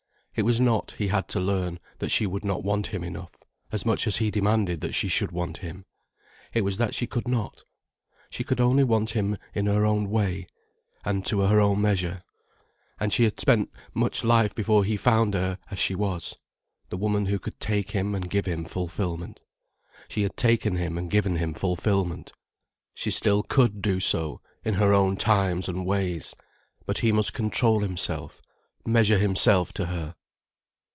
It was not, he had to learn, that she would not want him enough, as much as he demanded that she should want him. It was that she could not. She could only want him in her own way, and to her own measure. And she had spent much life before he found her as she was, the woman who could take him and give him fulfilment. She had taken him and given him fulfilment. She still could do so, in her own times and ways. But he must control himself, measure himself to her.